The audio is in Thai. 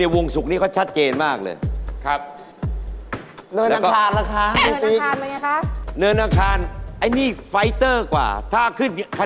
อยู่ทางเราจัดการเอง